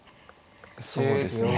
そうですね。